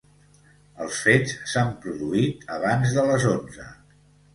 Els fets s'han produït abans de les onze.